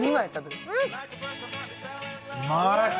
うまい！